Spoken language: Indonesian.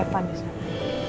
pak pak have fun disana